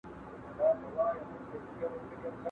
¬ په يوه مېلمانه شمې، په يوه لنگواله زړې.